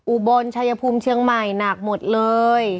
อุบลชายภูมิเชียงใหม่หนักหมดเลย